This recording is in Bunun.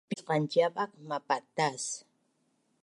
Pisqanciap ak mapatas